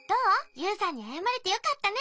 ユウさんにあやまれてよかったね。